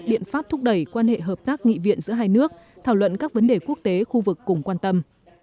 biện pháp thúc đẩy quan hệ hợp tác nghị viện giữa hai nước thảo luận các vấn đề quốc tế khu vực cùng quan tâm